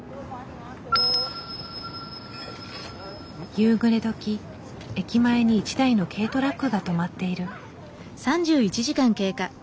夕暮れどき駅前に一台の軽トラックが止まっている。